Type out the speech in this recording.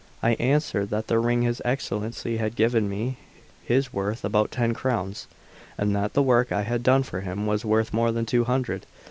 I answered that the ring his Excellency had given me was worth about ten crowns, and that the work I had done for him was worth more than two hundred.